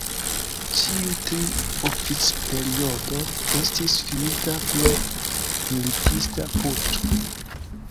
Ĉiu tri oficperiodo estis finita pro militista puĉo.